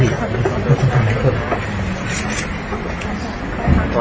มีงานหาวงสติน้ำมากกว่าที่นี่